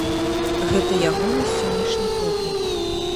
Гэта ягоны сённяшні погляд!